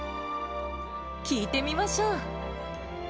聞いてみましょう。